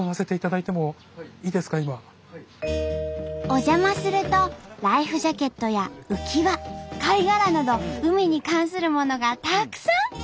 お邪魔するとライフジャケットや浮き輪貝殻など海に関するものがたくさん！